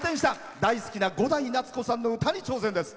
大好きな伍代夏子さんの歌に挑戦です。